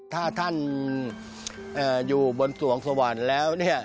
ถ้าท่านอยู่บนสวงสวรรค์แล้ว